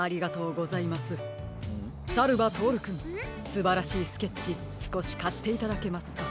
すばらしいスケッチすこしかしていただけますか？